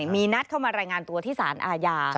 มีนัดเข้ามารายงานตัวที่สารอาญา